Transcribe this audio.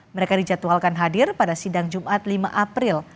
mereka dijadwalkan hadir pada sidang jumat lima april